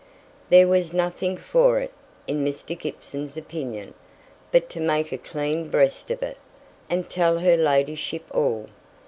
There was nothing for it, in Mr. Gibson's opinion, but to make a clean breast of it, and tell her ladyship all.